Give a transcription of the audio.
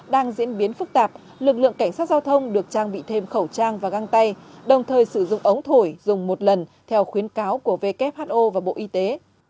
đang diễn biến phức tạp lực lượng cảnh sát giao thông được trang bị thêm khẩu trang và găng tay đồng thời sử dụng ống thổi dùng một lần theo khuyến cáo của who và bộ y tế